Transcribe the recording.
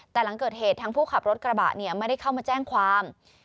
แต่หลังเกิดเหตุทางผู้ขับรถกระบะเนี่ยไม่ได้เข้ามาแจ้งความ